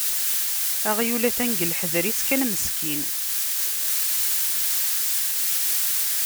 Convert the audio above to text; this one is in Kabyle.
Aɣyul atan deg leḥder-is kan meskin.